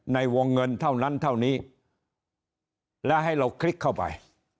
ในวงเงินเท่านั้นเท่านี้และให้เราคลิกเข้าไป